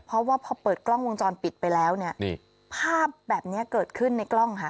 เพราะว่าพอเปิดกล้องวงจรปิดไปแล้วเนี่ยภาพแบบนี้เกิดขึ้นในกล้องค่ะ